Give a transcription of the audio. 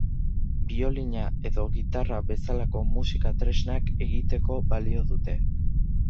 Biolina edo gitarra bezalako musika-tresnak egiteko balio dute.